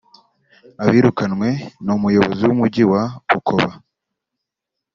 Abirukanywe ni Umuyobozi w’Umujyi wa Bukoba